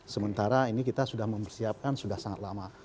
sementara ini kita sudah mempersiapkan sudah sangat lama